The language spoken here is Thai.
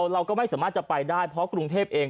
เราก็ไม่สามารถจะไปได้เพราะกรุงเทพเอง